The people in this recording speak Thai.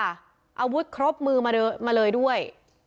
อาวุธครบมือมาเลยด้วย